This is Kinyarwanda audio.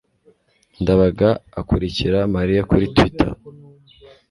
ndabaga akurikira mariya kuri twitter